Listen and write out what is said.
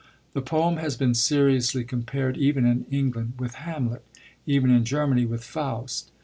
The poem has been seriously compared, even in England, with Hamlet; even in Germany with Faust.